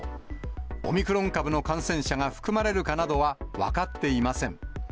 オミクロン株の感染者が含まれるかなどは分かっていません。